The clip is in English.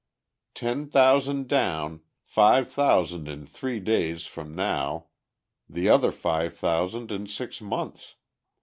Ten thousand down, five thousand in three days from now, the other five thousand in six months.